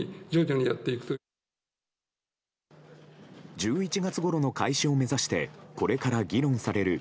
１１月ごろの開始を目指してこれから議論される